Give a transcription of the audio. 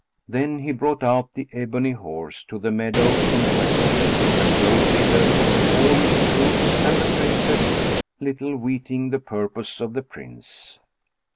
Then he brought out the ebony horse to the meadow in question and rode thither with all his troops and the Princess, little weeting the purpose of the Prince.